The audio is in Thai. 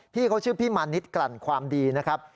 พี่เขาชื่อพี่มณิษฐ์กรรความดีนะครับ